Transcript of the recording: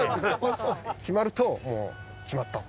決まると「決まった！」